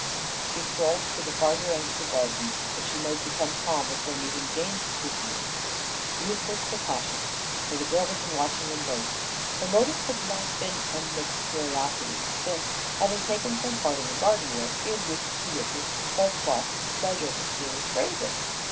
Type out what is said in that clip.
She strolled to the farther end of the garden that she might become calm before meeting Jane's scrutiny. Useless precaution! For the girl had been watching them both. Her motive had not been unmixed curiosity, since, having taken some part in the garden work, she had wished to witness Holcroft's pleasure and hear his praises.